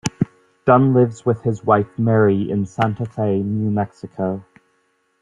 Dunn lives with his wife Mary in Santa Fe, New Mexico.